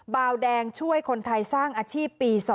บาวแดงช่วยคนไทยสร้างอาชีพปี๒